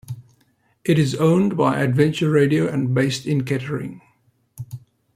It is owned by Adventure Radio and based in Kettering.